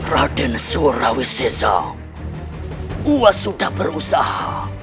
raden suraweseza saya sudah berusaha